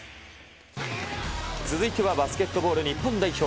続いてはバスケットボール日本代表。